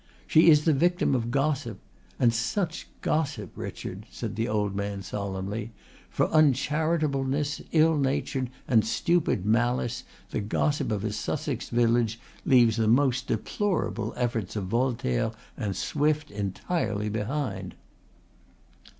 She is the victim of gossip and such gossip. Richard," said the old man solemnly, "for uncharitableness, ill nature and stupid malice the gossip of a Sussex village leaves the most deplorable efforts of Voltaire and Swift entirely behind."